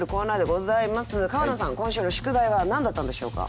今週の宿題は何だったんでしょうか？